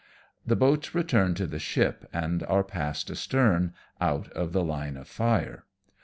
The boats return to the ship, and are passed astern, out of the line of fire.